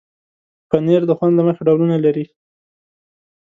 پنېر د خوند له مخې ډولونه لري.